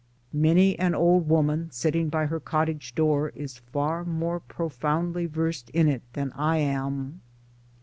Many an old woman sitting by her cottage door is far more profoundly versed in it than I am.